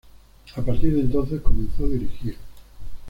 A partir de entonces comenzó a dirigir.